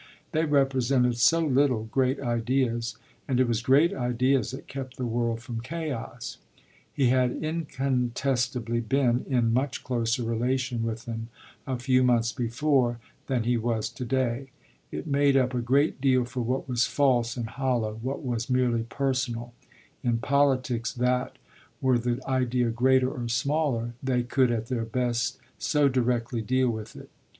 They represented so little great ideas, and it was great ideas that kept the world from chaos. He had incontestably been in much closer relation with them a few months before than he was to day: it made up a great deal for what was false and hollow, what was merely personal, in "politics" that, were the idea greater or smaller, they could at their best so directly deal with it.